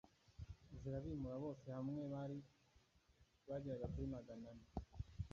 zirabimura Bose hamwe bageraga kuri magane ane